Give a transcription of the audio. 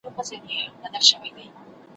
واکمن به نامحرمه د بابا د قلا نه وي ,